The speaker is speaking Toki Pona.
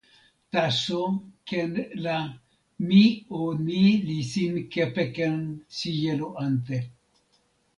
taso ken la mi o ni sin kepeken sijelo ante.